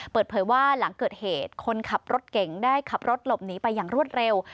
เปิดเผยว่าหลังเกิดเหตุคนขับรถเก่งได้ขับรถหลบหนีไปอย่างรวดเร็ว